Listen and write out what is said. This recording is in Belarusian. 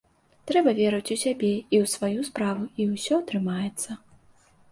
Трэба верыць у сябе і ў сваю справу, і ўсё атрымаецца.